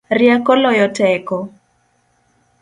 Rieko loyo teko